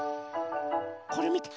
これみて。